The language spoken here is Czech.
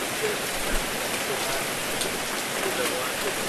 Příznaky jsou horší ve školním kolektivu.